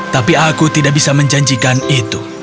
tapi aku tidak bisa menjanjikan itu